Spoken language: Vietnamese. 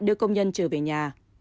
đưa công nhân trở về nhà